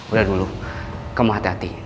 udah dulu kemah hati hati